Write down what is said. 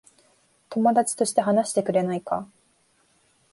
友達として話してくれないか。